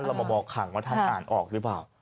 มาบอกขังว่าท่านอ่านออกหรือเปล่า